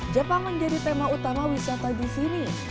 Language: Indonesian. jepang menjadi tema utama wisata di sini